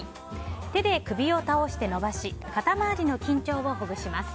手で首を倒して伸ばし肩周りの緊張をほぐします。